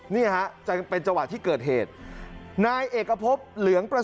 เนี่ยฮะจะเป็นจังหวะที่เกิดเหตุ